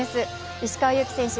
石川祐希選手